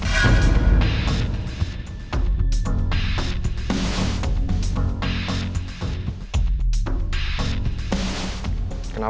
kali ini aku mau ke rumah